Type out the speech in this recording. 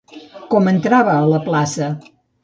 Com entrava a la plaça?